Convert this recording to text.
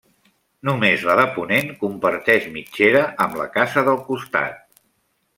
Només la de ponent comparteix mitgera amb la casa del costat.